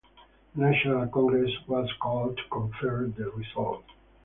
The National Congress was called to confirm the result.